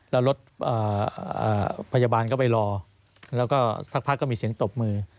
แล้วรถพยาบาลก็ไปรอแล้วก็สักพักก็มีเสียงตบมือ